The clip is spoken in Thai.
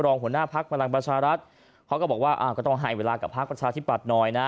รองหัวหน้าภักดิ์ประหลังประชารัฐเขาก็บอกว่าก็ต้องหายเวลากับภักดิ์ประชาธิบัตรหน่อยนะ